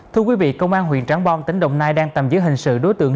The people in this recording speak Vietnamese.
thưa quý vị công an huyện tráng bom tỉnh đồng nai đang tầm giữ hình sự đối tượng